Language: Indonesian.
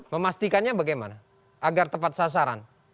memastikannya bagaimana agar tepat sasaran